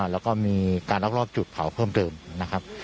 แล้วก็มีการลักลอบจุดเผาเพิ่มเติมนะครับ